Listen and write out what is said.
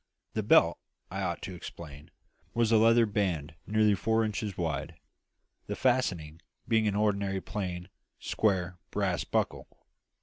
The belt, I ought to explain, was a leather band nearly four inches wide, the fastening being an ordinary plain, square, brass buckle.